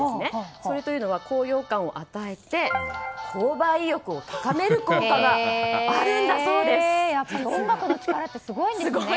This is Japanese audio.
それは高揚感を与えて購買意欲を高める効果が音楽の力ってすごいんですね。